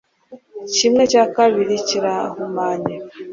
Kimwe cya kabiri kirahumanye;